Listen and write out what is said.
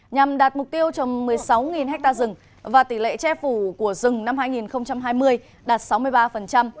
nhằm đạt mục tiêu trồng một mươi sáu ha rừng và tỷ lệ che phủ của rừng năm hai nghìn hai mươi đạt sáu mươi ba